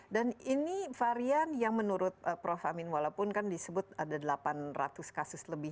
dan ini varian yang menurut prof amin walaupun kan disebut ada delapan ratus kasus lebih